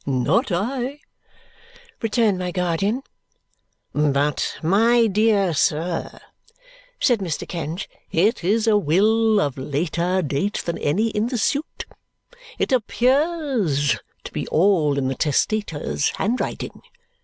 "Not I!" returned my guardian. "But, my dear sir," said Mr. Kenge, "it is a will of later date than any in the suit. It appears to be all in the testator's handwriting.